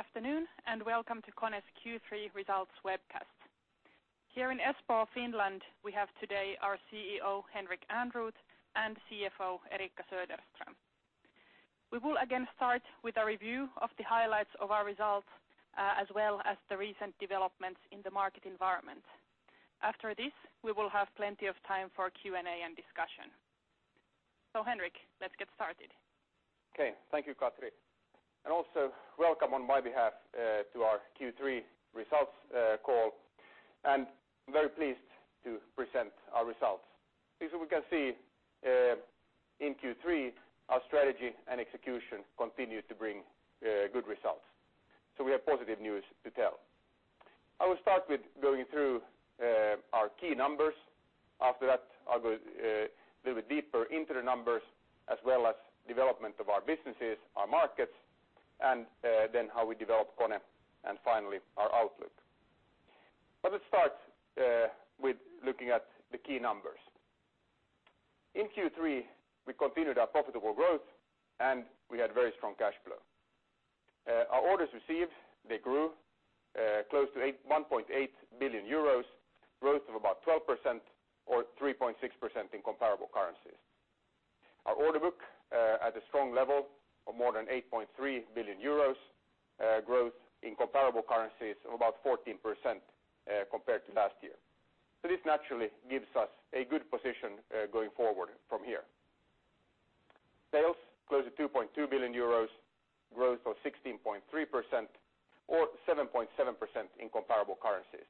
Afternoon, welcome to KONE's Q3 results webcast. Here in Espoo, Finland, we have today our CEO, Henrik Ehrnrooth, and CFO, Eriikka Söderström. We will again start with a review of the highlights of our results, as well as the recent developments in the market environment. After this, we will have plenty of time for Q&A and discussion. Henrik, let's get started. Okay. Thank you, Katri. Also, welcome on my behalf to our Q3 results call. I'm very pleased to present our results. As we can see, in Q3, our strategy and execution continued to bring good results. We have positive news to tell. I will start with going through our key numbers. After that, I'll go a little bit deeper into the numbers as well as development of our businesses, our markets, and then how we develop KONE, and finally, our outlook. Let's start with looking at the key numbers. In Q3, we continued our profitable growth and we had very strong cash flow. Our orders received, they grew close to 1.8 billion euros, growth of about 12% or 3.6% in comparable currencies. Our order book at a strong level of more than 8.3 billion euros, growth in comparable currencies of about 14% compared to last year. This naturally gives us a good position going forward from here. Sales close to 2.2 billion euros, growth of 16.3% or 7.7% in comparable currencies.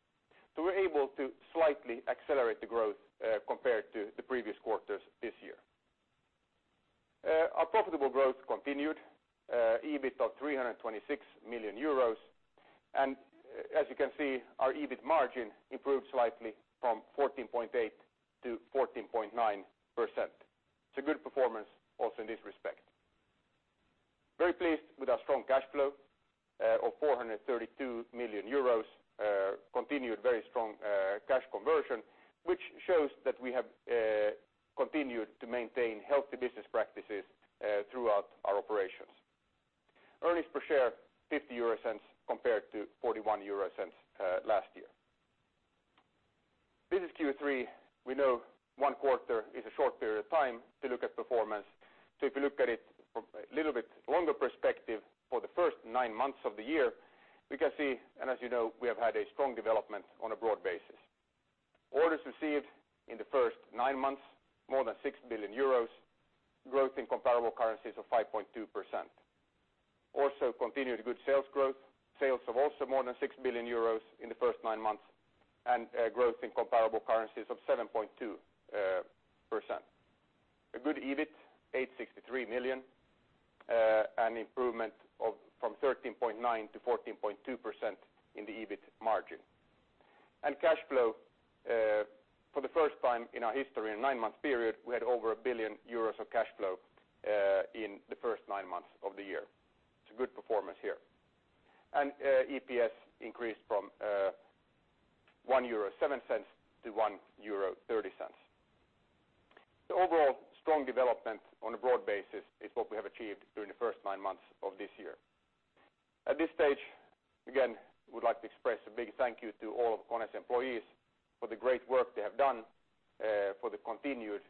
We're able to slightly accelerate the growth, compared to the previous quarters this year. Our profitable growth continued, EBIT of 326 million euros. As you can see, our EBIT margin improved slightly from 14.8% to 14.9%. It's a good performance also in this respect. Very pleased with our strong cash flow of 432 million euros. Continued very strong cash conversion, which shows that we have continued to maintain healthy business practices throughout our operations. Earnings per share, 0.50 compared to 0.41 last year. This is Q3. We know one quarter is a short period of time to look at performance. If you look at it from a little bit longer perspective for the first nine months of the year, we can see, as you know, we have had a strong development on a broad basis. Orders received in the first nine months, more than 6 billion euros, growth in comparable currencies of 5.2%. Also continued good sales growth. Sales of also more than 6 billion euros in the first nine months, growth in comparable currencies of 7.2%. A good EBIT, 863 million, an improvement from 13.9% to 14.2% in the EBIT margin. Cash flow, for the first time in our history, in a nine-month period, we had over 1 billion euros of cash flow in the first nine months of the year. It's a good performance here. EPS increased from 1.07 euro to 1.30 euro. Overall, strong development on a broad basis is what we have achieved during the first nine months of this year. At this stage, again, we'd like to express a big thank you to all of KONE's employees for the great work they have done for the continued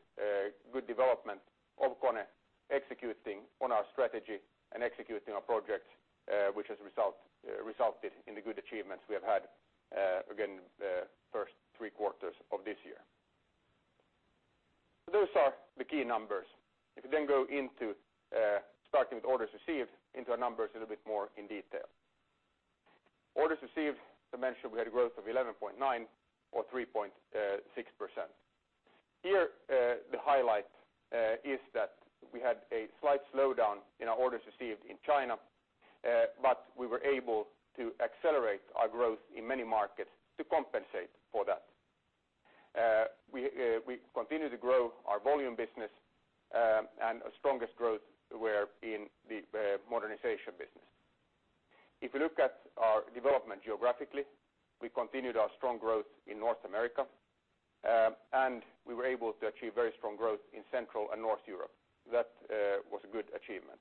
good development of KONE, executing on our strategy and executing our projects, which has resulted in the good achievements we have had, again, the first three quarters of this year. Those are the key numbers. If you then go into starting with orders received, into our numbers a little bit more in detail. Orders received, as I mentioned, we had a growth of 11.9% or 3.6%. Here, the highlight is that we had a slight slowdown in our orders received in China, but we were able to accelerate our growth in many markets to compensate for that. We continue to grow our volume business, and our strongest growth were in the modernization business. If you look at our development geographically, we continued our strong growth in North America, and we were able to achieve very strong growth in Central and North Europe. That was a good achievement.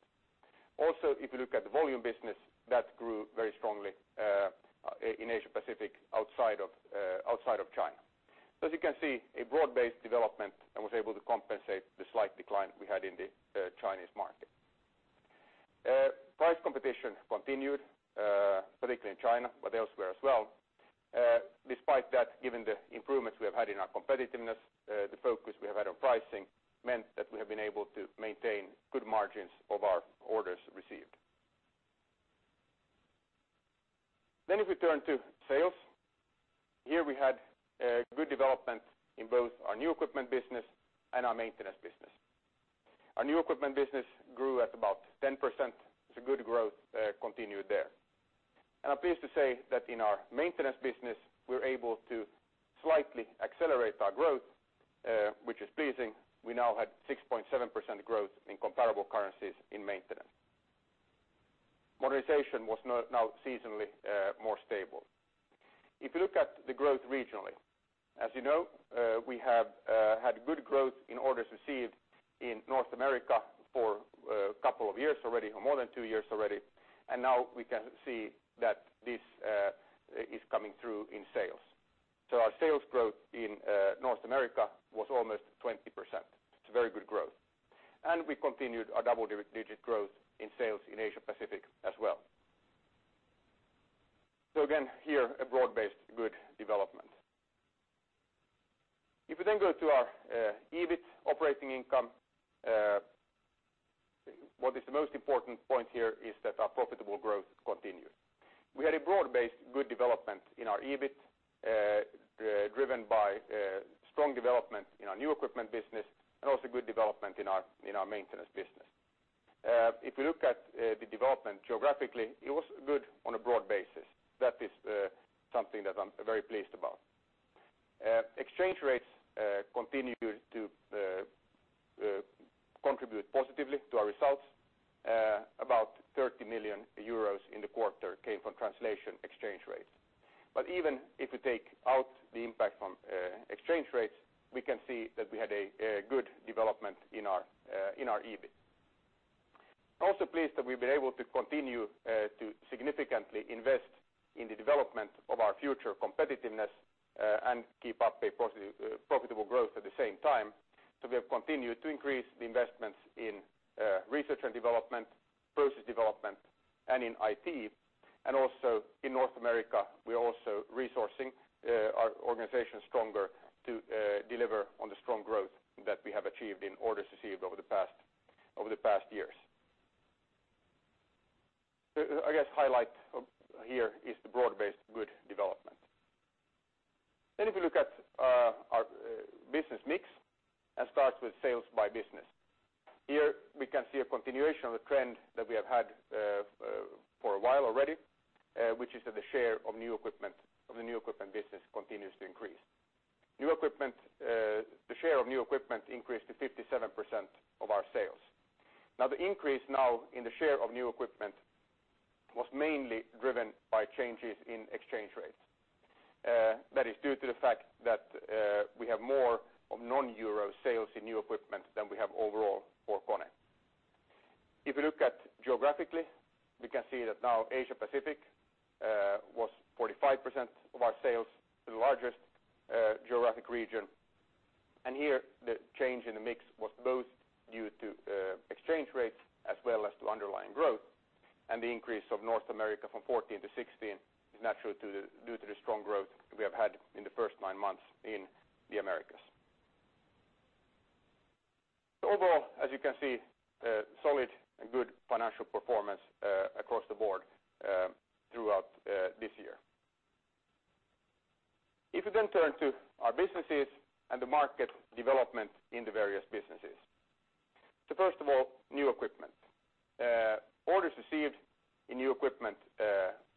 Also, if you look at the volume business, that grew very strongly in Asia-Pacific, outside of China. As you can see, a broad-based development and was able to compensate the slight decline we had in the Chinese market. Price competition continued, particularly in China, but elsewhere as well. Despite that, given the improvements we have had in our competitiveness, the focus we have had on pricing meant that we have been able to maintain good margins of our orders received. If we turn to sales, here we had good development in both our new equipment business and our maintenance business. Our new equipment business grew at about 10%, good growth continued there. I'm pleased to say that in our maintenance business, we were able to slightly accelerate our growth, which is pleasing. We now had 6.7% growth in comparable currencies in maintenance. Modernization was now seasonally more stable. If you look at the growth regionally, as you know, we have had good growth in orders received in North America for a couple of years already, for more than two years already. Now we can see that this is coming through in sales. Our sales growth in North America was almost 20%. It's very good growth. We continued our double-digit growth in sales in Asia-Pacific as well. Again, here, a broad-based good development. If we then go to our EBIT operating income, what is the most important point here is that our profitable growth continues. We had a broad-based good development in our EBIT, driven by strong development in our new equipment business and also good development in our maintenance business. If we look at the development geographically, it was good on a broad basis. That is something that I'm very pleased about. Exchange rates continue to contribute positively to our results. About 30 million euros in the quarter came from translation exchange rates. Even if we take out the impact from exchange rates, we can see that we had a good development in our EBIT. Also pleased that we've been able to continue to significantly invest in the development of our future competitiveness and keep up a profitable growth at the same time. We have continued to increase the investments in research and development, process development, and in IT. Also in North America, we're also resourcing our organization stronger to deliver on the strong growth that we have achieved in orders received over the past years. I guess highlight here is the broad-based good development. If we look at our business mix and start with sales by business. Here, we can see a continuation of the trend that we have had for a while already, which is that the share of the new equipment business continues to increase. The share of new equipment increased to 57% of our sales. Now, the increase now in the share of new equipment was mainly driven by changes in exchange rates. That is due to the fact that we have more of non-euro sales in new equipment than we have overall for KONE. If we look at geographically, we can see that now Asia Pacific was 45% of our sales, the largest geographic region. Here the change in the mix was both due to exchange rates as well as to underlying growth. The increase of North America from 14 to 16 is naturally due to the strong growth we have had in the first nine months in the Americas. Overall, as you can see, solid and good financial performance across the board throughout this year. If we turn to our businesses and the market development in the various businesses. First of all, new equipment. Orders received in new equipment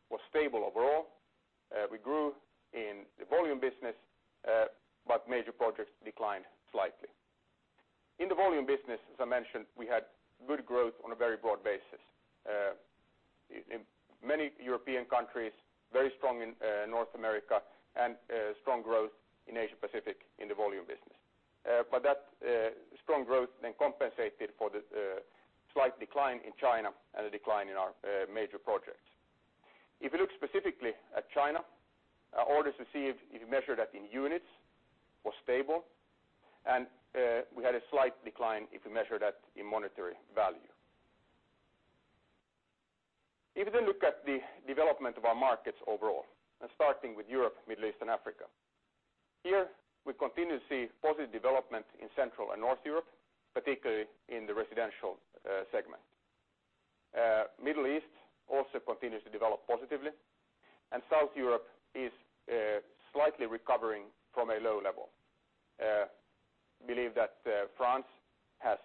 was stable overall. We grew in the volume business, but major projects declined slightly. In the volume business, as I mentioned, we had good growth on a very broad basis. In many European countries, very strong in North America and strong growth in Asia Pacific in the volume business. That strong growth then compensated for the slight decline in China and the decline in our major projects. If we look specifically at China, orders received, if you measure that in units, was stable, and we had a slight decline if you measure that in monetary value. If you look at the development of our markets overall, starting with Europe, Middle East, and Africa. Here we continue to see positive development in Central and North Europe, particularly in the residential segment. Middle East also continues to develop positively, and South Europe is slightly recovering from a low level. We believe that France has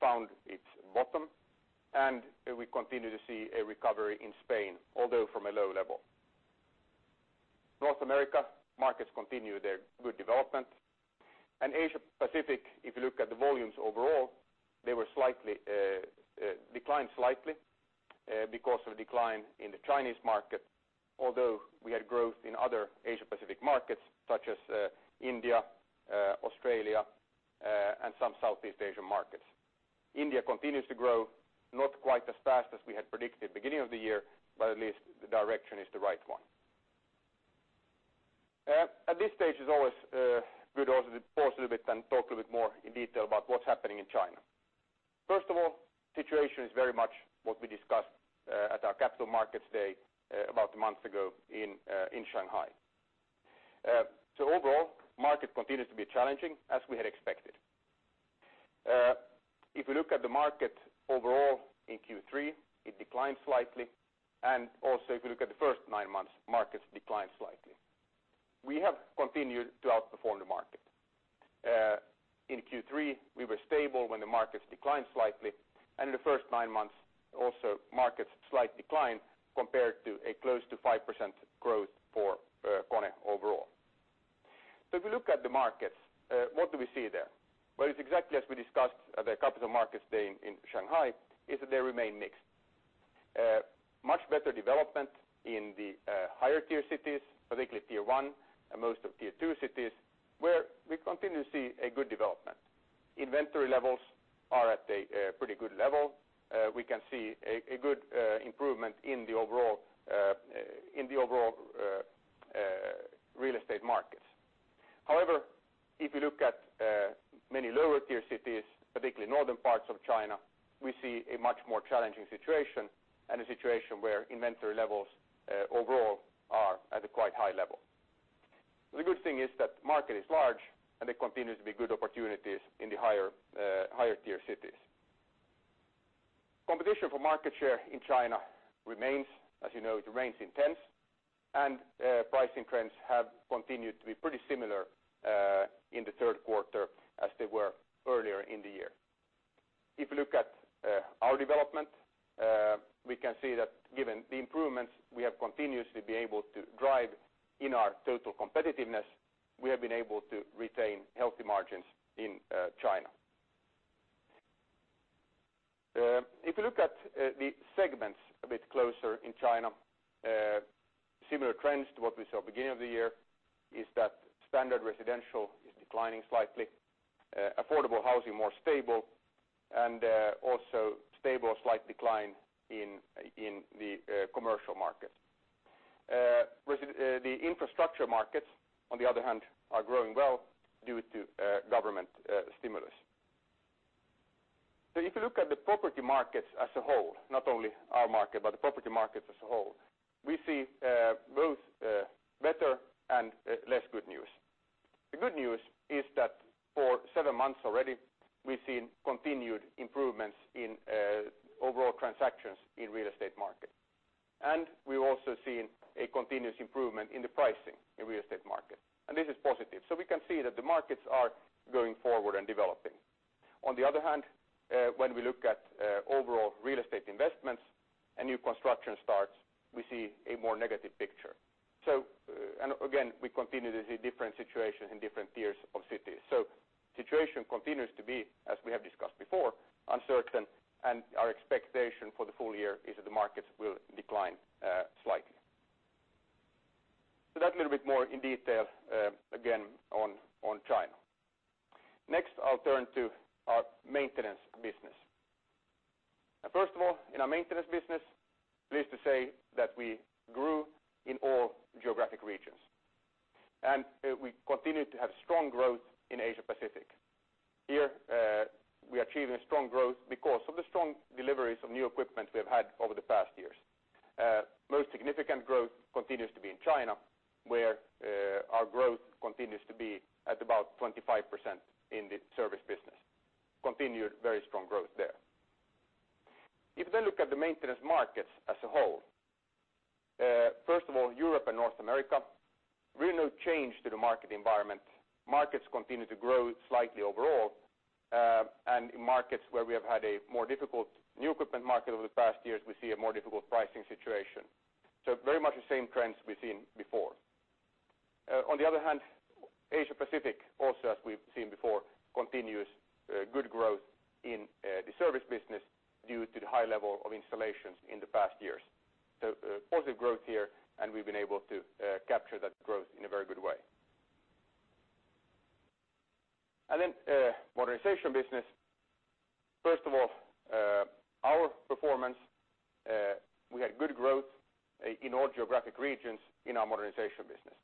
found its bottom, and we continue to see a recovery in Spain, although from a low level. North America markets continue their good development. Asia Pacific, if you look at the volumes overall, they declined slightly because of a decline in the Chinese market, although we had growth in other Asia Pacific markets, such as India, Australia, and some Southeast Asian markets. India continues to grow, not quite as fast as we had predicted beginning of the year, but at least the direction is the right one. At this stage, it's always good also to pause a little bit and talk a little bit more in detail about what's happening in China. First of all, situation is very much what we discussed at our Capital Markets Day about a month ago in Shanghai. Overall, market continues to be challenging, as we had expected. If we look at the market overall in Q3, it declined slightly, and also if we look at the first nine months, markets declined slightly. We have continued to outperform the market. In Q3, we were stable when the markets declined slightly, and in the first nine months, also markets slight decline compared to a close to 5% growth for KONE overall. We look at the markets, what do we see there? It's exactly as we discussed at the Capital Markets Day in Shanghai, is that they remain mixed. Much better development in the higher tier cities, particularly tier 1 and most of tier 2 cities, where we continue to see a good development. Inventory levels are at a pretty good level. We can see a good improvement in the overall real estate markets. However, if you look at many lower tier cities, particularly northern parts of China, we see a much more challenging situation and a situation where inventory levels overall are at a quite high level. The good thing is that the market is large, and there continues to be good opportunities in the higher tier cities. Competition for market share in China remains. As you know, it remains intense, and pricing trends have continued to be pretty similar in the third quarter as they were earlier in the year. You look at our development, we can see that given the improvements we have continuously been able to drive in our total competitiveness, we have been able to retain healthy margins in China. You look at the segments a bit closer in China, similar trends to what we saw beginning of the year is that standard residential is declining slightly, affordable housing more stable, and also stable or slight decline in the commercial market. The infrastructure markets, on the other hand, are growing well due to government stimulus. You look at the property markets as a whole, not only our market, but the property markets as a whole, we see both better and less good news. The good news is that for seven months already, we've seen continued improvements in overall transactions in real estate market. We've also seen a continuous improvement in the pricing in real estate market. This is positive. We can see that the markets are going forward and developing. On the other hand, when we look at overall real estate investments and new construction starts, we see a more negative picture. Again, we continue to see different situations in different tiers of cities. The situation continues to be, as we have discussed before, uncertain, and our expectation for the full year is that the markets will decline slightly. That's a little bit more in detail again on China. Next, I'll turn to our maintenance business. First of all, in our maintenance business, pleased to say that we grew in all geographic regions. We continued to have strong growth in Asia Pacific. Here, we are achieving a strong growth because of the strong deliveries of new equipment we have had over the past years. Most significant growth continues to be in China, where our growth continues to be at about 25% in the service business. Continued very strong growth there. You look at the maintenance markets as a whole, first of all, Europe and North America, really no change to the market environment. Markets continue to grow slightly overall. In markets where we have had a more difficult new equipment market over the past years, we see a more difficult pricing situation. Very much the same trends we've seen before. On the other hand, Asia Pacific, also as we've seen before, continues good growth in the service business due to the high level of installations in the past years. Positive growth here, and we've been able to capture that growth in a very good way. Modernization business. First of all, our performance, we had good growth in all geographic regions in our modernization business.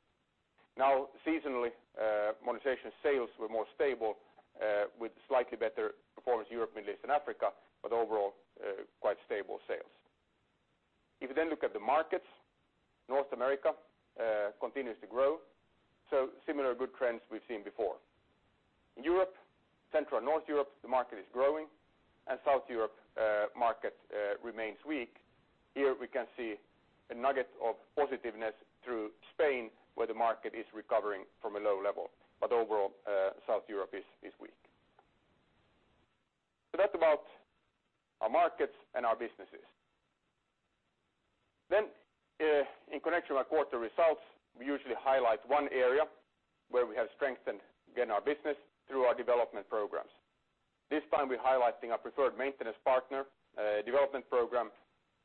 Seasonally, modernization sales were more stable with slightly better performance in Europe, Middle East, and Africa, but overall, quite stable sales. If you look at the markets, North America continues to grow. Similar good trends we've seen before. In Europe, Central and North Europe, the market is growing. South Europe market remains weak. Here we can see a nugget of positiveness through Spain, where the market is recovering from a low level. Overall, South Europe is weak. That's about our markets and our businesses. In connection with our quarter results, we usually highlight one area where we have strengthened, again, our business through our development programs. This time, we're highlighting our Preferred Maintenance Partner Development Program.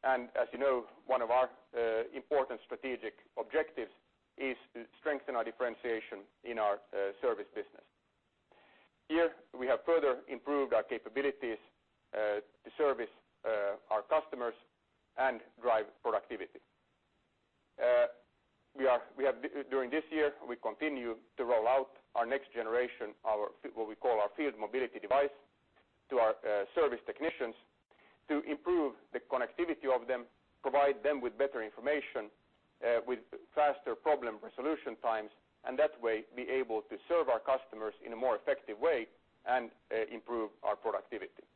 As you know, one of our important strategic objectives is to strengthen our differentiation in our service business. Here, we have further improved our capabilities to service our customers and drive productivity. During this year, we continue to roll out our next generation, what we call our Field Mobility Device to our service technicians to improve the connectivity of them, provide them with better information, with faster problem resolution times, and that way be able to serve our customers in a more effective way and improve our productivity.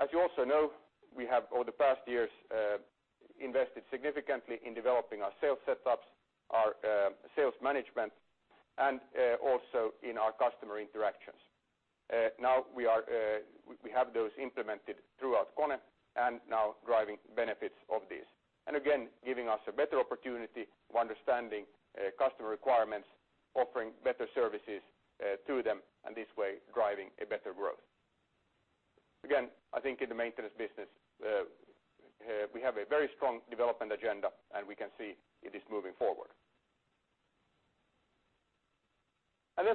As you also know, we have over the past years invested significantly in developing our sales setups, our sales management, and also in our customer interactions. We have those implemented throughout KONE and now driving benefits of this. Again, giving us a better opportunity of understanding customer requirements, offering better services to them, and this way, driving a better growth. I think in the maintenance business, we have a very strong development agenda, and we can see it is moving forward.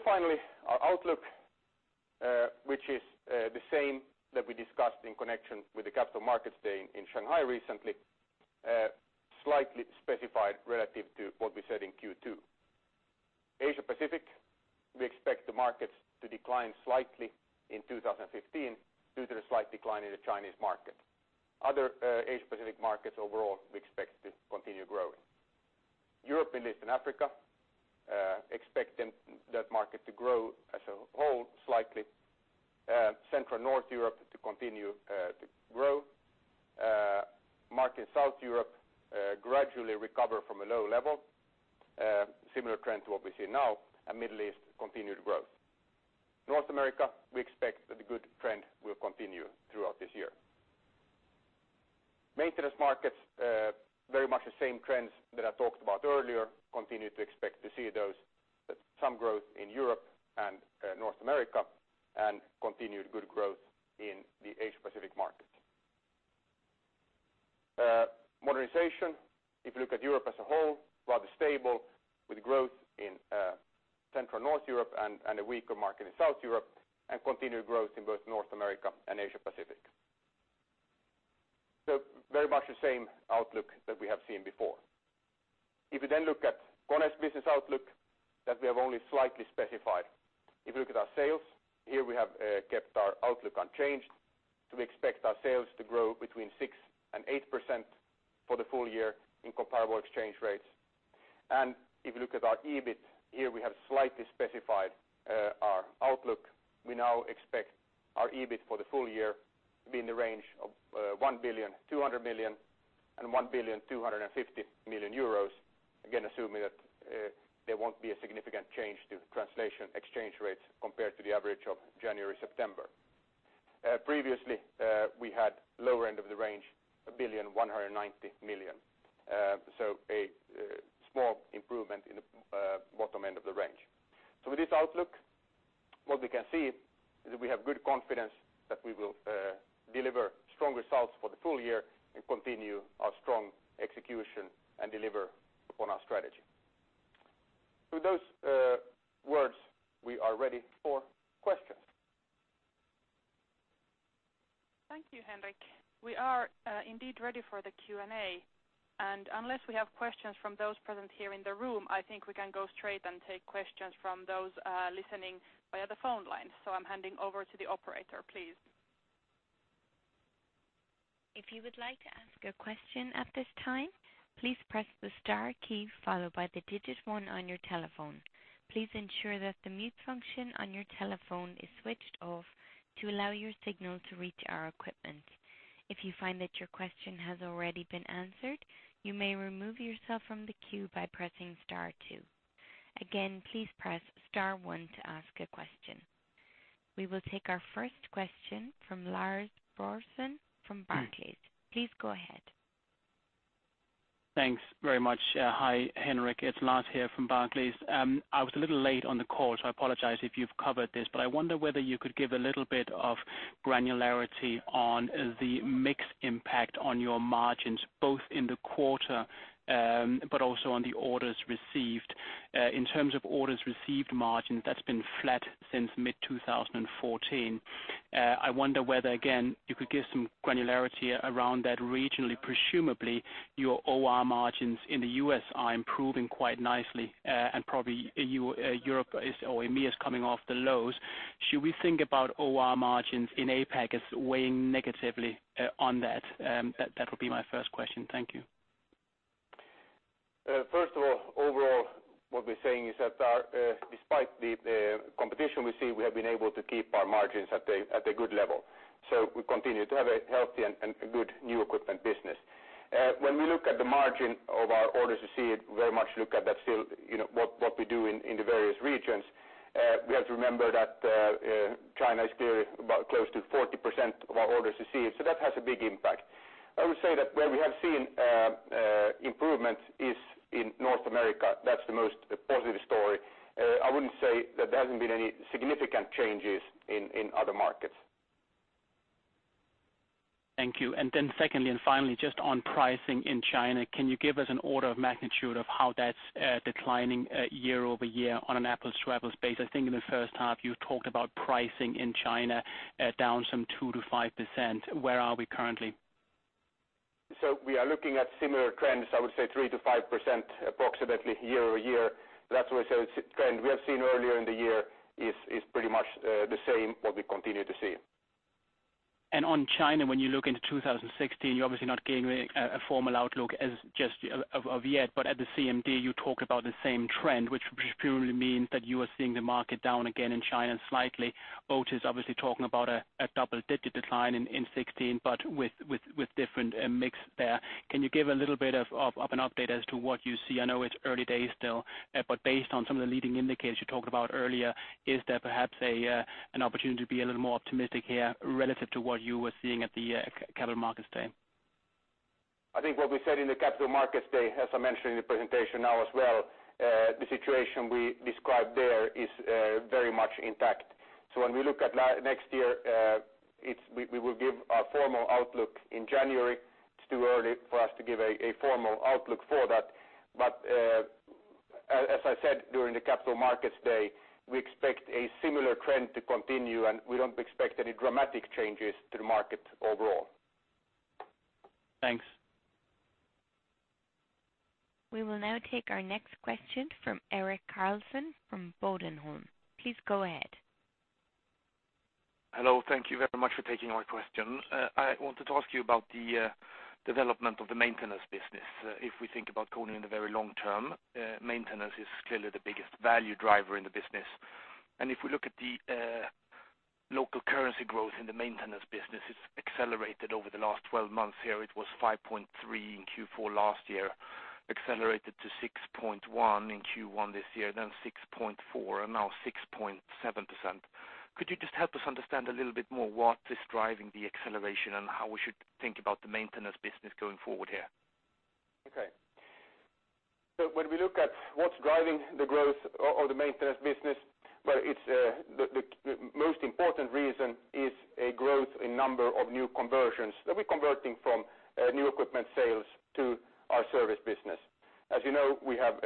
Finally, our outlook, which is the same that we discussed in connection with the Capital Markets Day in Shanghai recently, slightly specified relative to what we said in Q2. Asia-Pacific, we expect the markets to decline slightly in 2015 due to the slight decline in the Chinese market. Other Asia-Pacific markets overall, we expect to continue growing. Europe, Middle East, and Africa, expecting that market to grow as a whole, slightly. Central North Europe to continue to grow. Market South Europe gradually recover from a low level. Similar trend to what we see now. Middle East continued growth. North America, we expect that the good trend will continue throughout this year. Maintenance markets, very much the same trends that I talked about earlier, continue to expect to see those. Some growth in Europe and North America. Continued good growth in the Asia-Pacific market. Modernization, if you look at Europe as a whole, rather stable with growth in Central North Europe and a weaker market in South Europe and continued growth in both North America and Asia-Pacific. Very much the same outlook that we have seen before. We look at KONE's business outlook that we have only slightly specified. Our sales, here we have kept our outlook unchanged. We expect our sales to grow between 6% and 8% for the full year in comparable exchange rates. Our EBIT, here we have slightly specified our outlook. We now expect our EBIT for the full year to be in the range of between 1.2 billion and 1.25 billion. Again, assuming that there won't be a significant change to translation exchange rates compared to the average of January-September. Previously, we had lower end of the range, 1.19 billion. A small improvement in the bottom end of the range. With this outlook, what we can see is that we have good confidence that we will deliver strong results for the full year and continue our strong execution and deliver upon our strategy. With those words, we are ready for questions. Thank you, Henrik. We are indeed ready for the Q&A, unless we have questions from those present here in the room, I think we can go straight and take questions from those listening via the phone lines. I'm handing over to the operator, please. If you would like to ask a question at this time, please press the star key followed by the digit 1 on your telephone. Please ensure that the mute function on your telephone is switched off to allow your signal to reach our equipment. If you find that your question has already been answered, you may remove yourself from the queue by pressing star 2. Again, please press star 1 to ask a question. We will take our first question from Lars Brorson from Barclays. Please go ahead. Thanks very much. Hi, Henrik. It's Lars here from Barclays. I was a little late on the call, so I apologize if you've covered this. I wonder whether you could give a little bit of granularity on the mix impact on your margins, both in the quarter, also on the orders received. In terms of orders received margins, that's been flat since mid-2014. I wonder whether again, you could give some granularity around that regionally. Presumably, your OR margins in the U.S. are improving quite nicely, and probably Europe or EMEA is coming off the lows. Should we think about OR margins in APAC as weighing negatively on that? That would be my first question. Thank you. First of all, overall, what we're saying is that despite the competition we see, we have been able to keep our margins at a good level. We continue to have a healthy and good new equipment business. When we look at the margin of our orders received, very much look at that still, what we do in the various regions. We have to remember that China is clearly close to 40% of our orders received. That has a big impact. I would say that where we have seen improvements is in North America. That's the most positive story. I wouldn't say that there hasn't been any significant changes in other markets. Thank you. Secondly and finally, just on pricing in China, can you give us an order of magnitude of how that's declining year-over-year on an apples-to-apples base? I think in the first half you talked about pricing in China down some 2%-5%. Where are we currently? We are looking at similar trends. I would say 3%-5% approximately year-over-year. That's why I say the trend we have seen earlier in the year is pretty much the same, what we continue to see. China, when you look into 2016, you're obviously not giving a formal outlook as just of yet, but at the CMD, you talk about the same trend, which purely means that you are seeing the market down again in China slightly. Otis obviously talking about a double-digit decline in 2016, but with different mix there. Can you give a little bit of an update as to what you see? I know it's early days still, but based on some of the leading indicators you talked about earlier, is there perhaps an opportunity to be a little more optimistic here relative to what you were seeing at the Capital Markets Day? I think what we said in the Capital Markets Day, as I mentioned in the presentation now as well, the situation we described there is very much intact. When we look at next year, we will give a formal outlook in January. It's too early for us to give a formal outlook for that. As I said, during the Capital Markets Day, we expect a similar trend to continue, and we don't expect any dramatic changes to the market overall. Thanks. We will now take our next question from Erik Karlsson from Bodenholm. Please go ahead. Hello. Thank you very much for taking my question. I wanted to ask you about the development of the maintenance business. If we think about KONE in the very long term, maintenance is clearly the biggest value driver in the business. If we look at the local currency growth in the maintenance business, it's accelerated over the last 12 months here. It was 5.3% in Q4 last year, accelerated to 6.1% in Q1 this year, then 6.4%, and now 6.7%. Could you just help us understand a little bit more what is driving the acceleration and how we should think about the maintenance business going forward here? Okay. When we look at what's driving the growth of the maintenance business, the most important reason is a growth in number of new conversions that we're converting from new equipment sales to our service business. As you know, we have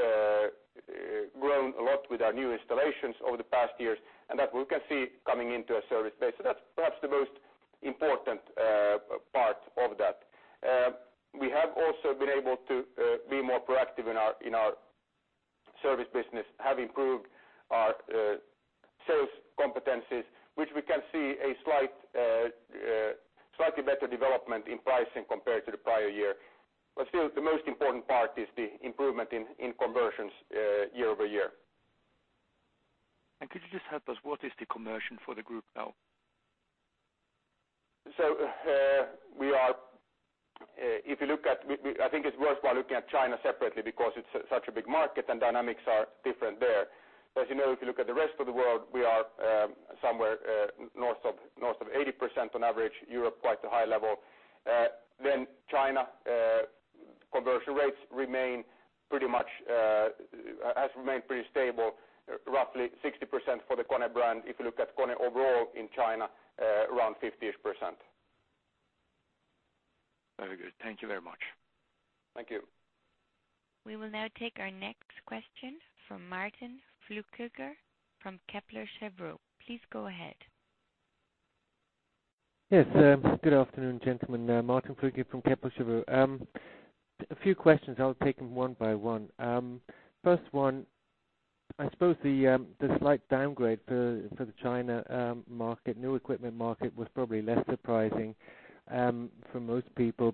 grown a lot with our new installations over the past years, that we can see coming into a service base. That's perhaps the most important part of that. We have also been able to be more proactive in our service business, have improved our sales competencies, which we can see a slightly better development in pricing compared to the prior year. Still, the most important part is the improvement in conversions year-over-year. Could you just help us, what is the conversion for the group now? I think it's worthwhile looking at China separately because it's such a big market and dynamics are different there. As you know, if you look at the rest of the world, we are somewhere north of 80% on average. Europe, quite a high level. China conversion rates has remained pretty stable, roughly 60% for the KONE brand. If you look at KONE overall in China, around 50-ish percent. Very good. Thank you very much. Thank you. We will now take our next question from Martin Flueckiger from Kepler Cheuvreux. Please go ahead. Yes. Good afternoon, gentlemen. Martin Flueckiger from Kepler Cheuvreux. A few questions. I'll take them one by one. First one, I suppose the slight downgrade for the China market, new equipment market, was probably less surprising for most people.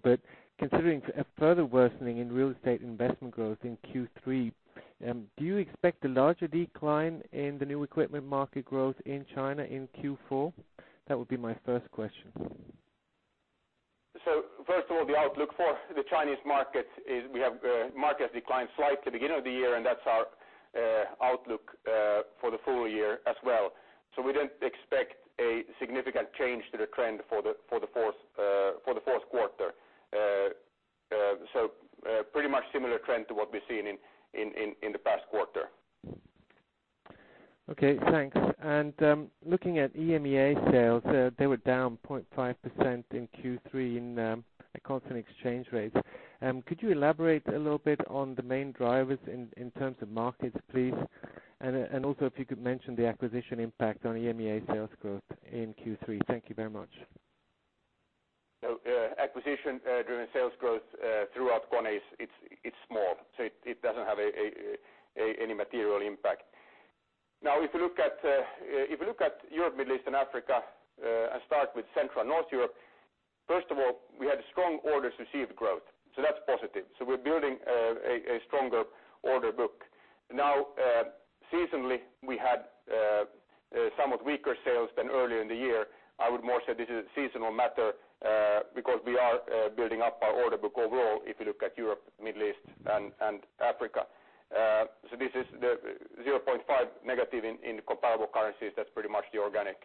Considering a further worsening in real estate investment growth in Q3, do you expect a larger decline in the new equipment market growth in China in Q4? That would be my first question. First of all, the outlook for the Chinese market is we have market decline slightly at the beginning of the year, and that's our outlook for the full year as well. We don't expect a significant change to the trend for the fourth quarter. Pretty much similar trend to what we've seen in the past quarter. Okay, thanks. Looking at EMEA sales, they were down 0.5% in Q3 in constant exchange rates. Could you elaborate a little bit on the main drivers in terms of markets, please? Also, if you could mention the acquisition impact on EMEA sales growth in Q3. Thank you very much. Acquisition-driven sales growth throughout KONE, it's small, so it doesn't have any material impact. If you look at Europe, Middle East, and Africa, start with Central and North Europe, first of all, we had strong orders received growth, so that's positive. We're building a stronger order book. Seasonally, we had somewhat weaker sales than earlier in the year. I would more say this is a seasonal matter because we are building up our order book overall if you look at Europe, Middle East, and Africa. This is the 0.5% negative in comparable currencies. That's pretty much the organic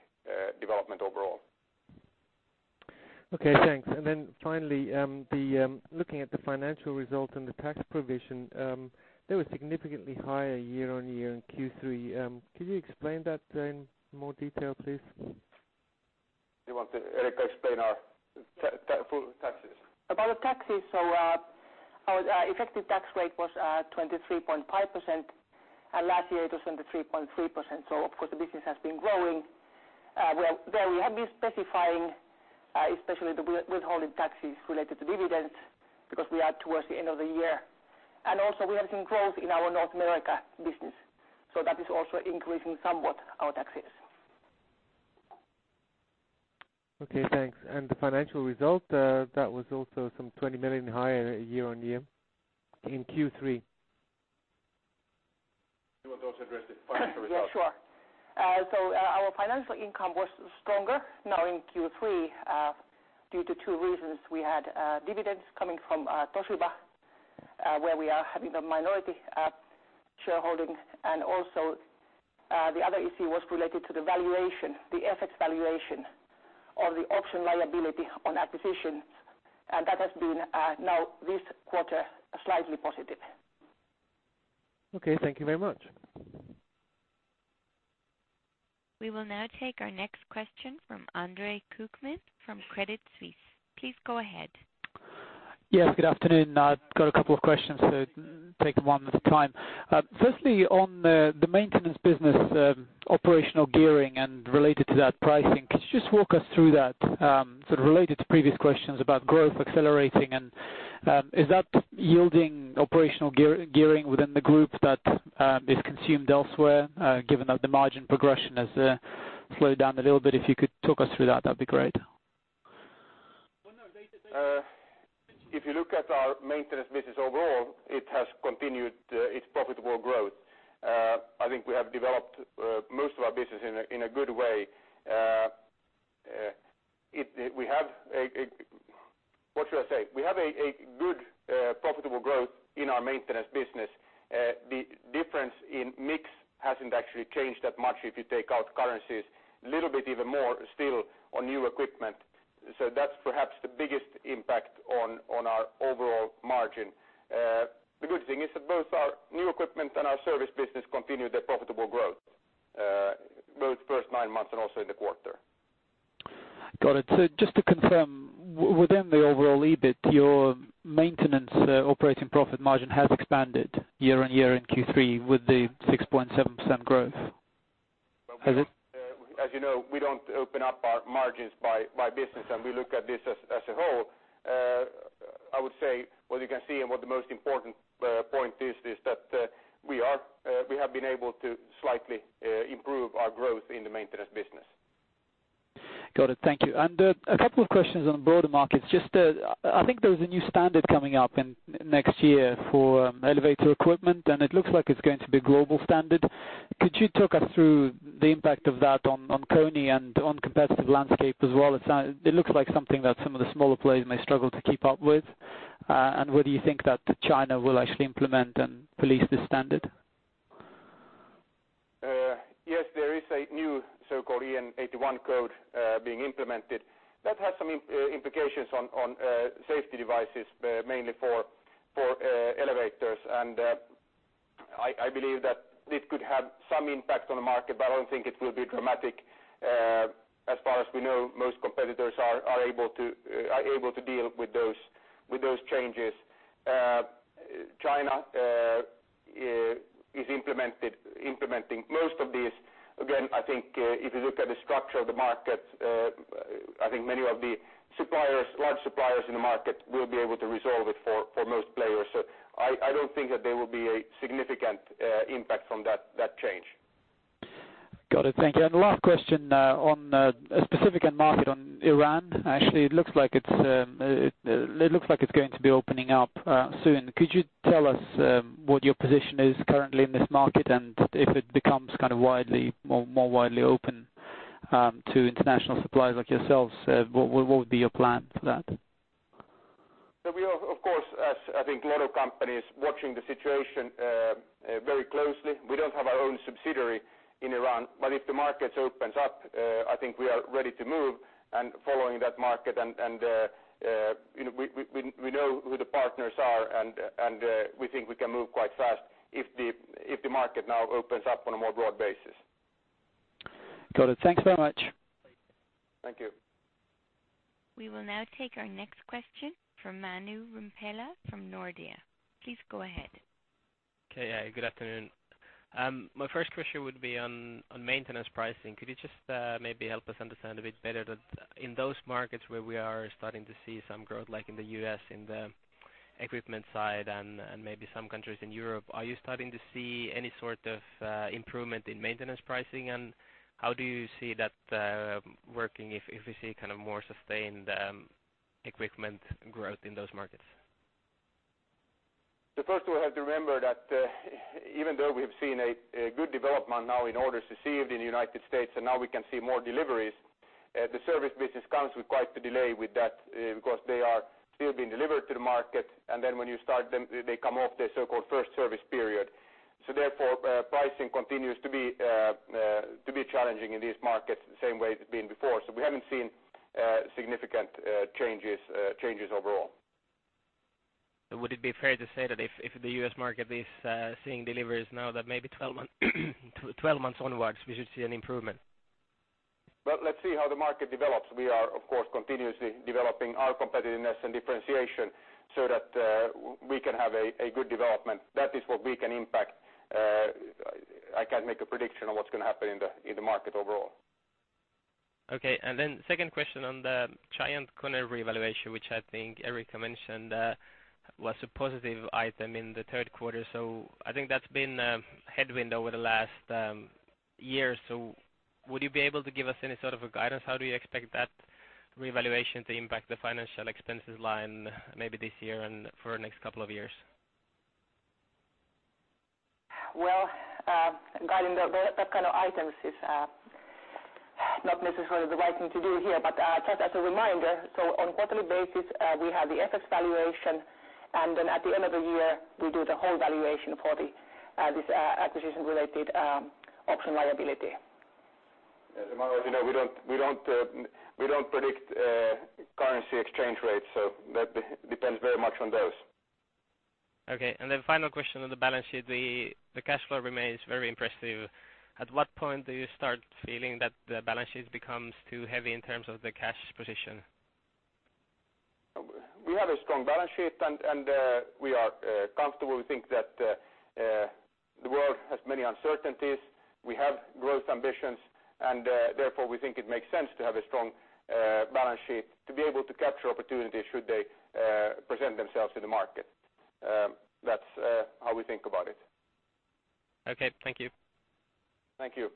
development overall. Okay, thanks. Finally, looking at the financial results and the tax provision, they were significantly higher year-on-year in Q3. Could you explain that in more detail, please? You want Eriikka to explain our full taxes? About the taxes, our effective tax rate was 23.5%, last year it was 23.3%. Of course, the business has been growing. Well, there we have been specifying, especially the withholding taxes related to dividends because we are towards the end of the year. Also we have seen growth in our North America business. That is also increasing somewhat our taxes. Okay, thanks. The financial result, that was also some 20 million higher year-on-year in Q3. You want to also address the financial results? Yeah, sure. Our financial income was stronger now in Q3 due to two reasons. We had dividends coming from Toshiba where we are having the minority shareholding. Also the other issue was related to the valuation, the FX valuation of the option liability on acquisitions. That has been now this quarter slightly positive. Okay, thank you very much. We will now take our next question from Andre Kukhnin from Credit Suisse. Please go ahead. Good afternoon. I've got a couple of questions, so take one at a time. On the maintenance business operational gearing and related to that pricing, could you just walk us through that? Sort of related to previous questions about growth accelerating, and is that yielding operational gearing within the group that is consumed elsewhere, given that the margin progression has slowed down a little bit? If you could talk us through that'd be great. If you look at our maintenance business overall, it has continued its profitable growth. I think we have developed most of our business in a good way. What should I say? We have a good profitable growth in our maintenance business. The difference in mix hasn't actually changed that much if you take out currencies, little bit even more still on new equipment. That's perhaps the biggest impact on our overall margin. The good thing is that both our new equipment and our service business continued their profitable growth both first nine months and also in the quarter. Got it. Just to confirm, within the overall EBIT, your maintenance operating profit margin has expanded year-over-year in Q3 with the 6.7% growth. Has it? As you know, we don't open up our margins by business, and we look at this as a whole. I would say what you can see and what the most important point is that we have been able to slightly improve our growth in the maintenance business. Got it. Thank you. A couple of questions on broader markets. I think there is a new standard coming up in next year for elevator equipment, and it looks like it's going to be a global standard. Could you talk us through the impact of that on KONE and on competitive landscape as well? It looks like something that some of the smaller players may struggle to keep up with. Whether you think that China will actually implement and police this standard? Yes, there is a new so-called EN 81 code being implemented. That has some implications on safety devices, mainly for elevators. I believe that this could have some impact on the market, but I don't think it will be dramatic. As far as we know, most competitors are able to deal with those changes. China is implementing most of these. Again, I think if you look at the structure of the market, I think many of the large suppliers in the market will be able to resolve it for most players. I don't think that there will be a significant impact from that change. Got it. Thank you. The last question on a specific end market on Iran. Actually, it looks like it's going to be opening up soon. Could you tell us what your position is currently in this market, and if it becomes more widely open to international suppliers like yourselves, what would be your plan for that? We are, of course, as I think a lot of companies, watching the situation very closely. We don't have our own subsidiary in Iran, but if the market opens up, I think we are ready to move and following that market. We know who the partners are, and we think we can move quite fast if the market now opens up on a more broad basis. Got it. Thanks very much. Thank you. We will now take our next question from Manu Rimpelä from Nordea. Please go ahead. Okay. Good afternoon. My first question would be on maintenance pricing. Could you just maybe help us understand a bit better that in those markets where we are starting to see some growth, like in the U.S. in the equipment side and maybe some countries in Europe, are you starting to see any sort of improvement in maintenance pricing, and how do you see that working if we see kind of more sustained equipment growth in those markets? First we have to remember that even though we have seen a good development now in orders received in the United States, and now we can see more deliveries, the service business comes with quite a delay with that because they are still being delivered to the market, and then when you start them, they come off their so-called first service period. Therefore, pricing continues to be challenging in these markets the same way it's been before. We haven't seen significant changes overall. Would it be fair to say that if the U.S. market is seeing deliveries now, that maybe 12 months onwards, we should see an improvement? Let's see how the market develops. We are, of course, continuously developing our competitiveness and differentiation so that we can have a good development. That is what we can impact. I can't make a prediction on what's going to happen in the market overall. Second question on the GiantKONE revaluation, which I think Eriikka mentioned was a positive item in the third quarter. I think that's been a headwind over the last year. Would you be able to give us any sort of a guidance? How do you expect that revaluation to impact the financial expenses line maybe this year and for next couple of years? Guiding that kind of items is not necessarily the right thing to do here. Just as a reminder, on a quarterly basis, we have the FX valuation, and at the end of the year, we do the whole valuation for this acquisition-related option liability. As a matter of you know, we don't predict currency exchange rates, that depends very much on those. Okay. Final question on the balance sheet, the cash flow remains very impressive. At what point do you start feeling that the balance sheet becomes too heavy in terms of the cash position? We have a strong balance sheet, and we are comfortable. We think that the world has many uncertainties. We have growth ambitions, and therefore we think it makes sense to have a strong balance sheet to be able to capture opportunities should they present themselves in the market. That's how we think about it. Okay. Thank you. Thank you.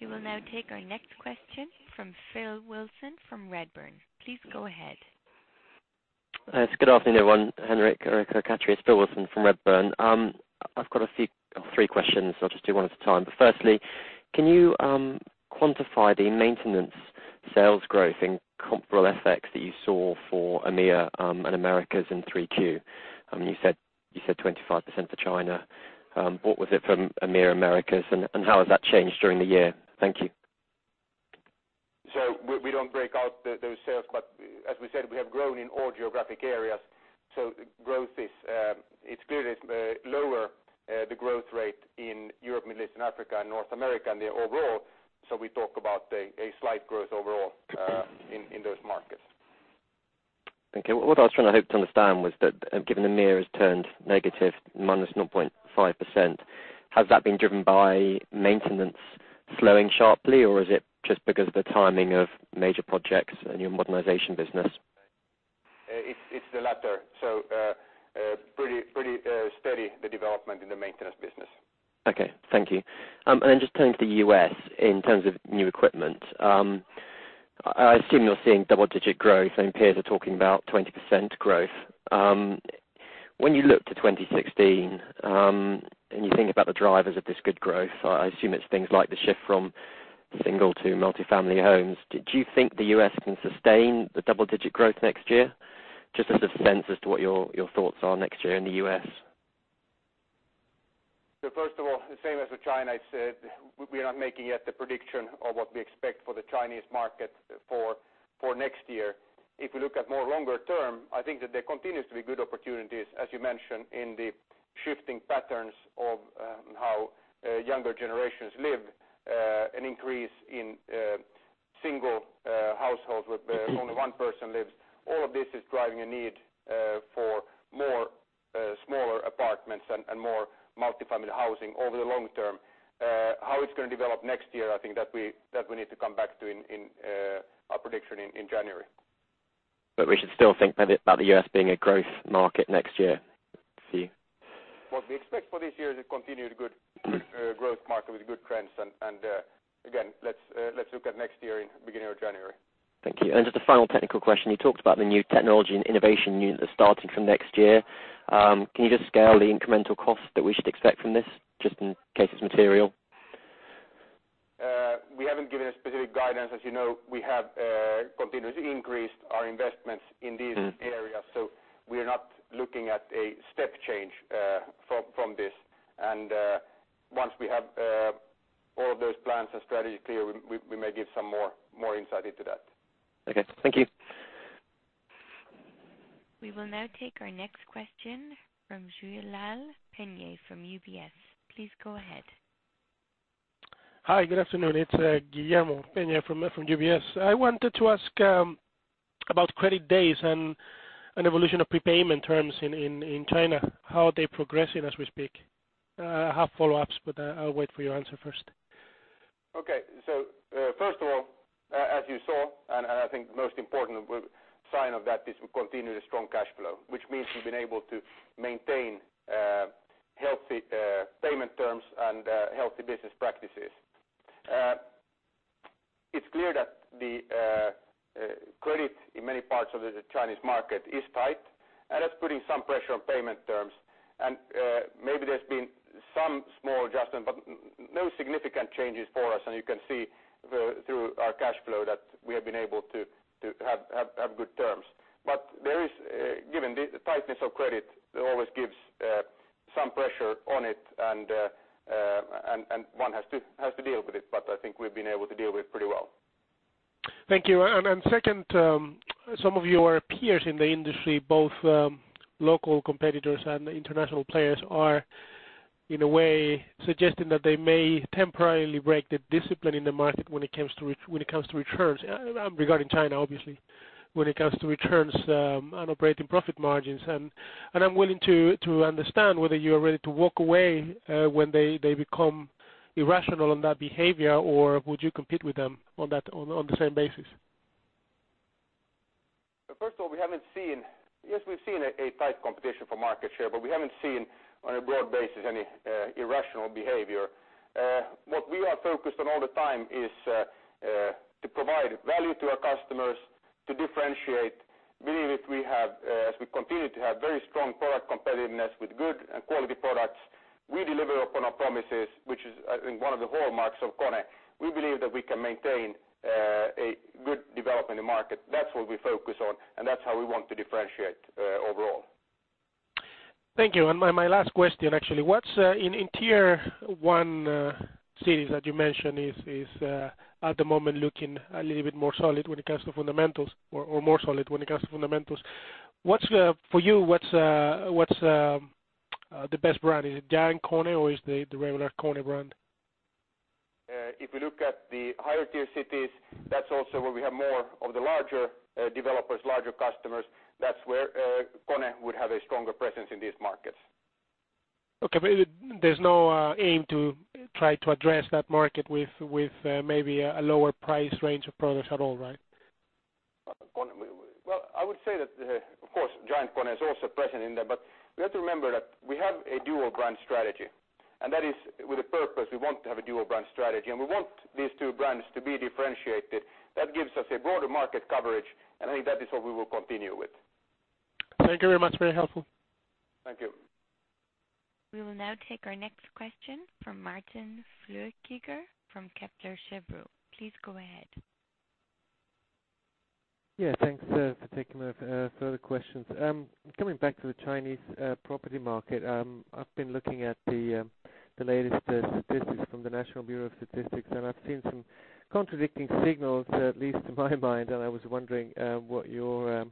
We will now take our next question from Phil Wilson from Redburn. Please go ahead. Yes. Good afternoon, everyone. Henrik or Katri, it's Phil Wilson from Redburn. I've got three questions. I'll just do one at a time. Firstly, can you quantify the maintenance sales growth in comparable FX that you saw for EMEA and Americas in Q3? You said 25% for China. What was it for EMEA, Americas, and how has that changed during the year? Thank you. We don't break out those sales, but as we said, we have grown in all geographic areas. It's clearly lower the growth rate in Europe, Middle East, and Africa and North America and overall. We talk about a slight growth overall in those markets. Okay. What I was trying to hope to understand was that given EMEA has turned negative -0.5%, has that been driven by maintenance slowing sharply, or is it just because of the timing of major projects and your modernization business? It's the latter. Pretty steady the development in the maintenance business. Okay. Thank you. Just turning to the U.S. in terms of new equipment. I assume you're seeing double-digit growth, and peers are talking about 20% growth. When you look to 2016, and you think about the drivers of this good growth, I assume it's things like the shift from single to multi-family homes. Do you think the U.S. can sustain the double-digit growth next year? Just a sense as to what your thoughts are next year in the U.S. First of all, the same as with China, I said we are not making yet the prediction of what we expect for the Chinese market for next year. If we look at more longer term, I think that there continues to be good opportunities, as you mentioned, in the shifting patterns of how younger generations live, an increase in single households where only one person lives. All of this is driving a need for more smaller apartments and more multi-family housing over the long term. How it's going to develop next year, I think that we need to come back to our prediction in January. We should still think about the U.S. being a growth market next year for you. What we expect for this year is a continued good growth market with good trends. Again, let's look at next year in the beginning of January. Thank you. Just a final technical question. You talked about the new technology and innovation unit that's starting from next year. Can you just scale the incremental cost that we should expect from this, just in case it's material? We haven't given a specific guidance. As you know, we have continuously increased our investments in these areas, so we are not looking at a step change from this. Once we have all of those plans and strategies clear, we may give some more insight into that. Okay. Thank you. We will now take our next question from Guillermo Peigneux-Lojo from UBS. Please go ahead. Hi. Good afternoon. It's Guillermo Peigneux-Lojo from UBS. I wanted to ask about credit days and evolution of prepayment terms in China, how are they progressing as we speak? I have follow-ups, but I'll wait for your answer first. Okay. First of all, as you saw, I think most important sign of that is we continue the strong cash flow, which means we've been able to maintain healthy payment terms and healthy business practices. It's clear that the credit in many parts of the Chinese market is tight, that's putting some pressure on payment terms. Maybe there's been some small adjustment, but no significant changes for us, and you can see through our cash flow that we have been able to have good terms. Given the tightness of credit, it always gives some pressure on it, and one has to deal with it, but I think we've been able to deal with it pretty well. Thank you. Second, some of your peers in the industry, both local competitors and international players, are in a way suggesting that they may temporarily break the discipline in the market when it comes to returns, regarding China, obviously, when it comes to returns and operating profit margins. I'm willing to understand whether you are ready to walk away when they become irrational in that behavior, or would you compete with them on the same basis? First of all, yes, we've seen a tight competition for market share, but we haven't seen on a broad basis any irrational behavior. What we are focused on all the time is to provide value to our customers, to differentiate Believe it, as we continue to have very strong product competitiveness with good and quality products, we deliver upon our promises, which is I think one of the hallmarks of KONE. We believe that we can maintain a good development in the market. That's what we focus on, that's how we want to differentiate overall. Thank you. My last question, actually, in tier 1 cities that you mentioned is at the moment looking a little bit more solid when it comes to fundamentals or more solid when it comes to fundamentals. For you, what's the best brand? Is it GiantKONE or is the regular KONE brand? If we look at the higher tier cities, that's also where we have more of the larger developers, larger customers. That's where KONE would have a stronger presence in these markets. Okay. There's no aim to try to address that market with maybe a lower price range of products at all, right? Well, I would say that, of course, GiantKONE is also present in there, but you have to remember that we have a dual brand strategy, and that is with a purpose. We want to have a dual brand strategy, and we want these two brands to be differentiated. That gives us a broader market coverage, and I think that is what we will continue with. Thank you very much. Very helpful. Thank you. We will now take our next question from Martin Flueckiger from Kepler Cheuvreux. Please go ahead. Yeah, thanks for taking my further questions. Coming back to the Chinese property market, I've been looking at the latest statistics from the National Bureau of Statistics, and I've seen some contradicting signals at least to my mind, and I was wondering what your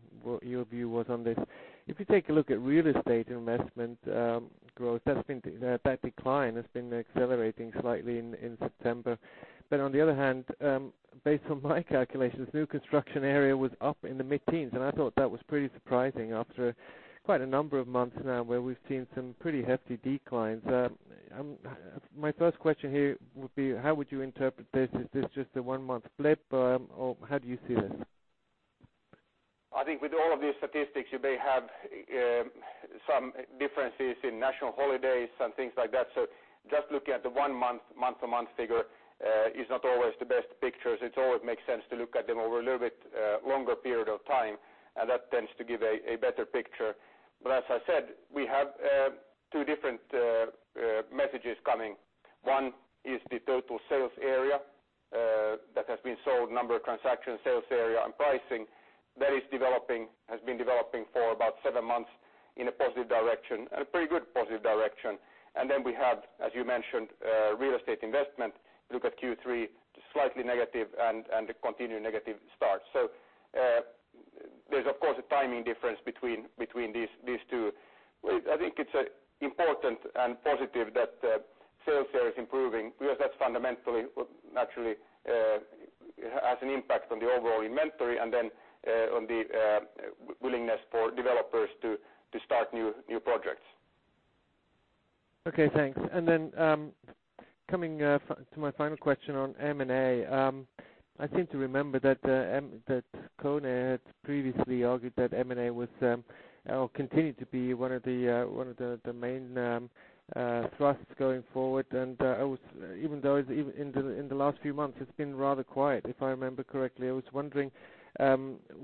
view was on this. If you take a look at real estate investment growth, that decline has been accelerating slightly in September. On the other hand, based on my calculations, new construction area was up in the mid-teens, and I thought that was pretty surprising after quite a number of months now where we've seen some pretty hefty declines. My first question here would be, how would you interpret this? Is this just a one-month blip or how do you see this? I think with all of these statistics, you may have some differences in national holidays and things like that. Just looking at the one month-to-month figure is not always the best pictures. It always makes sense to look at them over a little bit longer period of time, and that tends to give a better picture. As I said, we have two different messages coming. One is the total sales area that has been sold, number of transactions, sales area and pricing that has been developing for about seven months in a positive direction and a pretty good positive direction. Then we have, as you mentioned, real estate investment. Look at Q3, slightly negative and a continued negative start. There's of course a timing difference between these two. I think it's important and positive that sales there is improving because that's fundamentally what naturally has an impact on the overall inventory and then on the willingness for developers to start new projects. Okay, thanks. Then coming to my final question on M&A. I seem to remember that KONE had previously argued that M&A will continue to be one of the main thrusts going forward. Even though in the last few months it's been rather quiet, if I remember correctly. I was wondering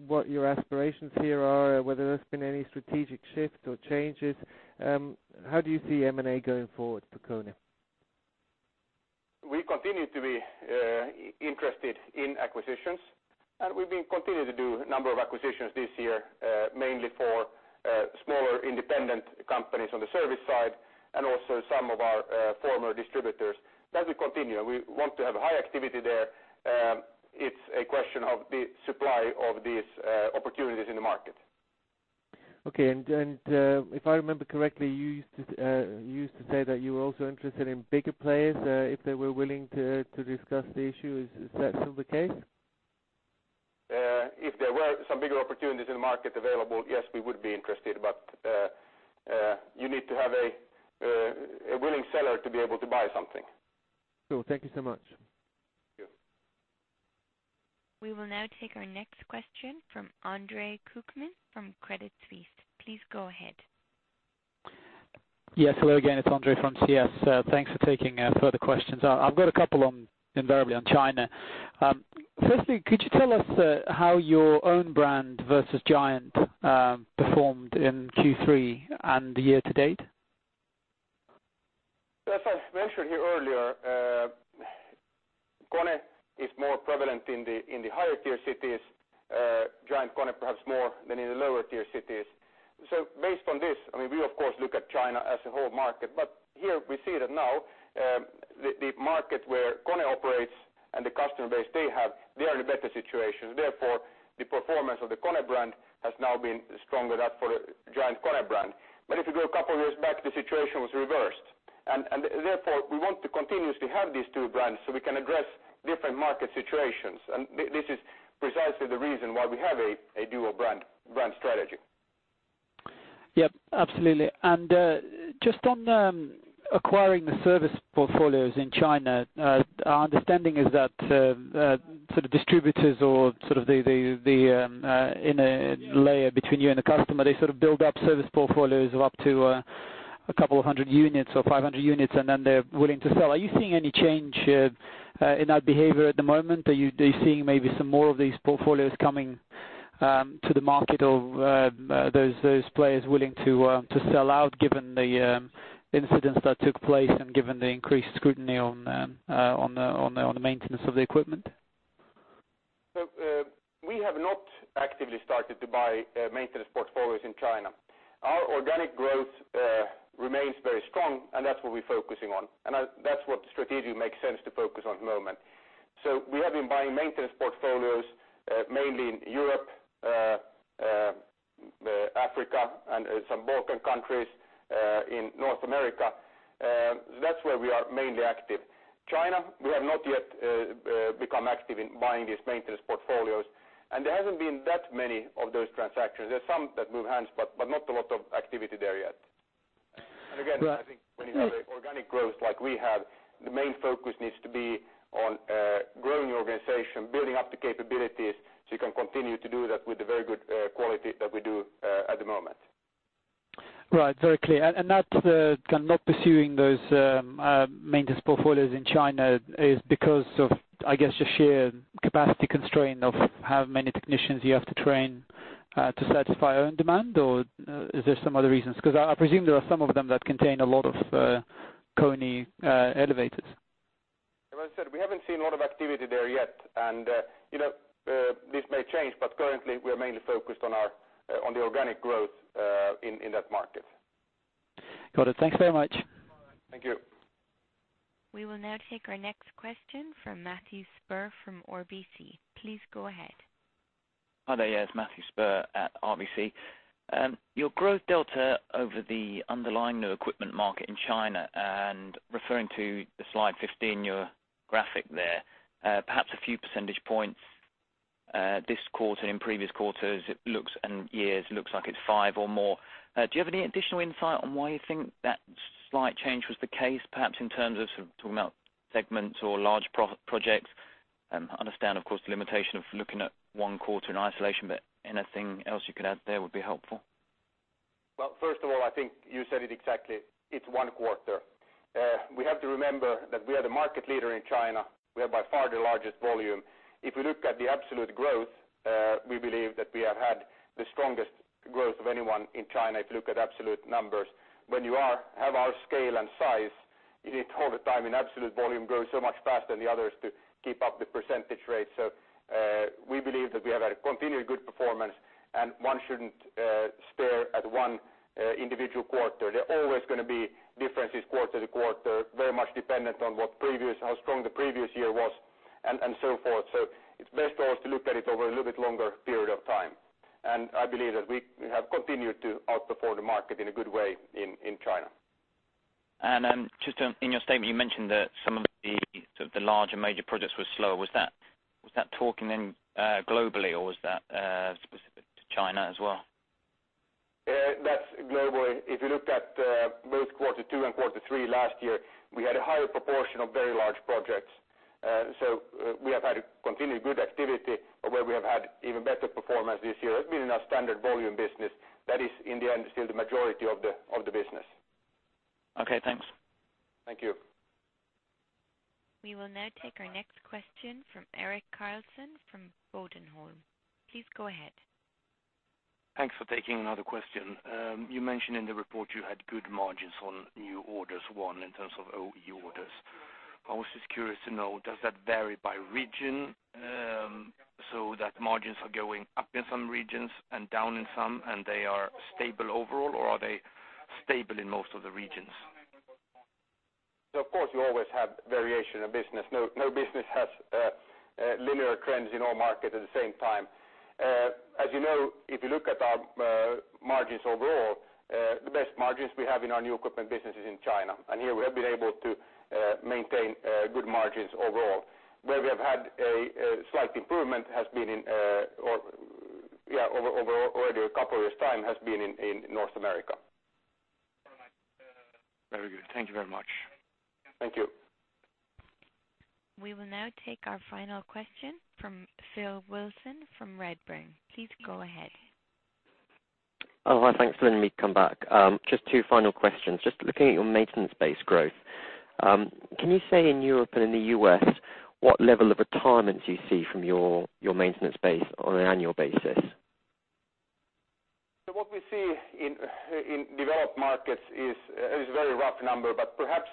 what your aspirations here are, whether there's been any strategic shift or changes. How do you see M&A going forward for KONE? We continue to be interested in acquisitions. We've been continuing to do a number of acquisitions this year mainly for smaller independent companies on the service side and also some of our former distributors. That will continue. We want to have high activity there. It's a question of the supply of these opportunities in the market. Okay. If I remember correctly, you used to say that you were also interested in bigger players if they were willing to discuss the issue. Is that still the case? If there were some bigger opportunities in the market available, yes, we would be interested. You need to have a willing seller to be able to buy something. Cool. Thank you so much. Yeah. We will now take our next question from Andre Kukhnin from Credit Suisse. Please go ahead. Yes, hello again, it is Andre from CS. Thanks for taking further questions. I have got a couple invariably on China. Firstly, could you tell us how your own brand versus GiantKONE performed in Q3 and year-to-date? As I mentioned here earlier, KONE is more prevalent in the higher tier cities, GiantKONE perhaps more than in the lower tier cities. Based on this, we of course look at China as a whole market, but here we see that now the market where KONE operates and the customer base they have, they are in a better situation. Therefore, the performance of the KONE brand has now been stronger than for the GiantKONE brand. If you go a couple of years back, the situation was reversed, and therefore we want to continuously have these two brands so we can address different market situations. This is precisely the reason why we have a dual brand strategy. Yep, absolutely. Just on acquiring the service portfolios in China, our understanding is that sort of distributors or sort of the inner layer between you and the customer, they sort of build up service portfolios of up to a couple of hundred units or 500 units, and then they are willing to sell. Are you seeing any change in that behavior at the moment? Are you seeing maybe some more of these portfolios coming to the market of those players willing to sell out given the incidents that took place and given the increased scrutiny on the maintenance of the equipment? We have not actively started to buy maintenance portfolios in China. Our organic growth remains very strong, and that's what we're focusing on, and that's what strategically makes sense to focus on at the moment. We have been buying maintenance portfolios, mainly in Europe, Africa, and some Balkan countries, in North America. That's where we are mainly active. China, we have not yet become active in buying these maintenance portfolios, and there hasn't been that many of those transactions. There's some that move hands, but not a lot of activity there yet. Again, I think when you have a organic growth like we have, the main focus needs to be on growing your organization, building up the capabilities, so you can continue to do that with the very good quality that we do at the moment. Right. Very clear. That, kind of not pursuing those maintenance portfolios in China is because of, I guess, the sheer capacity constraint of how many technicians you have to train to satisfy your own demand? Or is there some other reasons? Because I presume there are some of them that contain a lot of KONE elevators. As I said, we haven't seen a lot of activity there yet, and this may change, but currently, we are mainly focused on the organic growth in that market. Got it. Thanks very much. Thank you. We will now take our next question from Matthew Spurr from RBC. Please go ahead. Hi there. Yeah, it's Matthew Spurr at RBC. Your growth delta over the underlying new equipment market in China, referring to the slide 15, your graphic there. Perhaps a few percentage points, this quarter, in previous quarters, it looks, and years, looks like it's five or more. Do you have any additional insight on why you think that slight change was the case, perhaps in terms of sort of talking about segments or large profit projects? I understand, of course, the limitation of looking at one quarter in isolation, anything else you could add there would be helpful. Well, first of all, I think you said it exactly. It's one quarter. We have to remember that we are the market leader in China. We have by far the largest volume. If we look at the absolute growth, we believe that we have had the strongest growth of anyone in China, if you look at absolute numbers. When you have our scale and size, you need to, all the time, in absolute volume, grow so much faster than the others to keep up the percentage rate. We believe that we have had a continually good performance, one shouldn't stare at one individual quarter. There are always going to be differences quarter to quarter, very much dependent on how strong the previous year was and so forth. It's best for us to look at it over a little bit longer period of time. I believe that we have continued to outperform the market in a good way in China. Just in your statement, you mentioned that some of the larger major projects were slower. Was that talking in globally, or was that specific to China as well? That's globally. If you looked at both quarter two and quarter three last year, we had a higher proportion of very large projects. We have had continually good activity, but where we have had even better performance this year has been in our standard volume business. That is, in the end, still the majority of the business. Okay, thanks. Thank you. We will now take our next question from Erik Karlsson from Bodenholm. Please go ahead. Thanks for taking another question. You mentioned in the report you had good margins on new orders won in terms of OE orders. I was just curious to know, does that vary by region, so that margins are going up in some regions and down in some, and they are stable overall, or are they stable in most of the regions? Of course, you always have variation in business. No business has linear trends in all markets at the same time. As you know, if you look at our margins overall, the best margins we have in our new equipment business is in China. Here, we have been able to maintain good margins overall. Where we have had a slight improvement has been in over already a couple of years' time, has been in North America. Very good. Thank you very much. Thank you. We will now take our final question from Phil Wilson from Redburn. Please go ahead. Oh, hi. Thanks for letting me come back. Just two final questions. Just looking at your maintenance base growth. Can you say in Europe and in the U.S. what level of retirement you see from your maintenance base on an annual basis? What we see in developed markets is a very rough number, but perhaps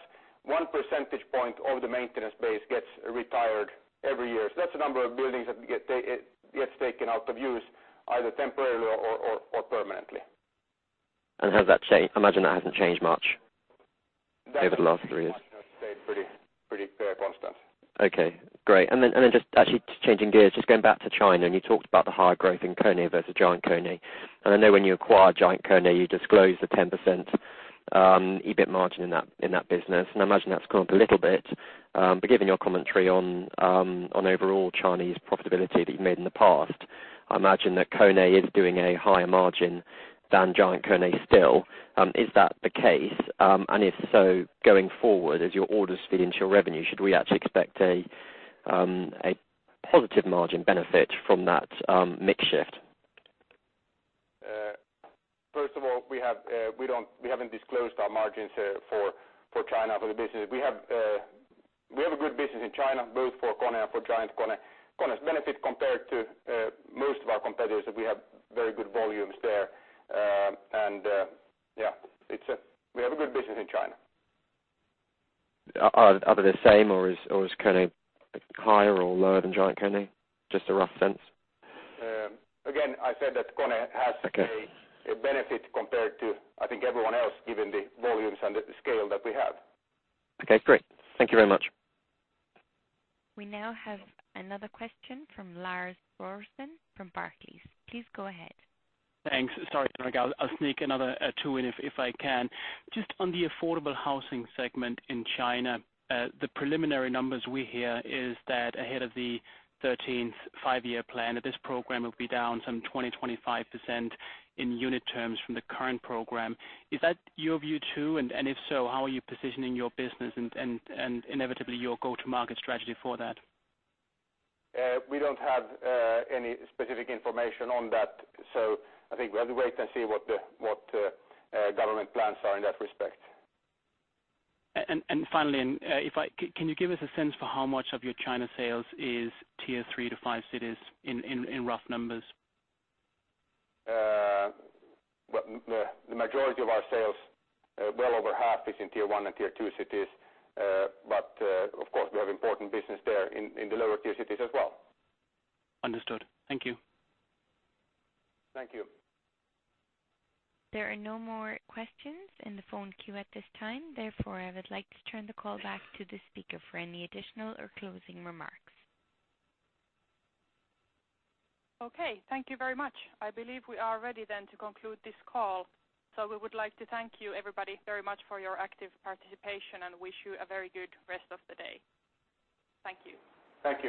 one percentage point of the maintenance base gets retired every year. That's the number of buildings that gets taken out of use, either temporarily or permanently. Has that changed? I imagine that hasn't changed much over the last three years. No, it's stayed pretty fair constant. Okay, great. Just actually changing gears, just going back to China, you talked about the higher growth in KONE versus GiantKONE. I know when you acquired GiantKONE, you disclosed a 10% EBIT margin in that business, I imagine that's gone up a little bit. Given your commentary on overall Chinese profitability that you've made in the past, I imagine that KONE is doing a higher margin than GiantKONE still. Is that the case? If so, going forward as your orders feed into your revenue, should we actually expect a positive margin benefit from that mix shift? First of all, we haven't disclosed our margins for China, for the business. We have a good business in China, both for KONE and for GiantKONE. KONE's benefit compared to most of our competitors is we have very good volumes there. Yeah, we have a good business in China. Are they the same or is KONE higher or lower than GiantKONE? Just a rough sense. Again, I said that KONE has- Okay A benefit compared to, I think, everyone else, given the volumes and the scale that we have. Okay, great. Thank you very much. We now have another question from Lars Brorson from Barclays. Please go ahead. Thanks. Sorry, Jukka. I'll sneak another two in if I can. Just on the affordable housing segment in China, the preliminary numbers we hear is that ahead of the 13th Five-Year Plan, that this program will be down some 20-25% in unit terms from the current program. Is that your view too? If so, how are you positioning your business and inevitably your go-to-market strategy for that? We don't have any specific information on that, so I think we have to wait and see what government plans are in that respect. Finally, can you give us a sense for how much of your China sales is tier 3 to 5 cities in rough numbers? The majority of our sales, well over half is in tier 1 and tier 2 cities. Of course, we have important business there in the lower tier cities as well. Understood. Thank you. Thank you. There are no more questions in the phone queue at this time. I would like to turn the call back to the speaker for any additional or closing remarks. Okay. Thank you very much. I believe we are ready to conclude this call. We would like to thank you everybody very much for your active participation and wish you a very good rest of the day. Thank you. Thank you